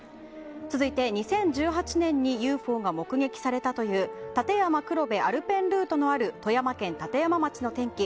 続いて２０１８年にＵＦＯが目撃されたという立山黒部アルペンルートのある富山県立山町の天気